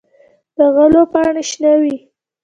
د غلو پاڼې شنه وي.